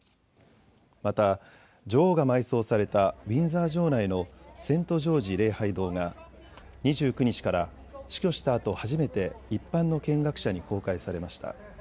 また女王が埋葬されたウィンザー城内のセントジョージ礼拝堂が２９日から死去したあと初めて一般の見学者に公開されました。